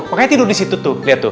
pokoknya tidur disitu tuh lihat tuh